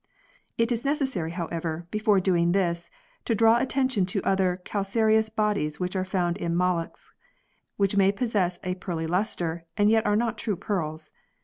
It is necessary, however, before doing this to draw attention to other calcareous bodies which are found in molluscs, which may possess a pearly lustre, and yet are not true pearls.